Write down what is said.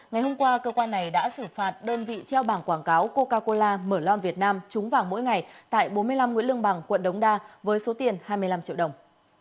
ngày hôm qua cơ quan này đã xử phạt đơn vị treo bảng quảng cáo coca cola mở lon việt nam trúng vàng mỗi ngày tại bốn mươi năm nguyễn lương bằng quận đống đa với số tiền hai mươi năm triệu đồng